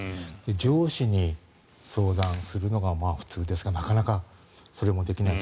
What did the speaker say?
上司に相談するのが普通ですがなかなかそれもできない。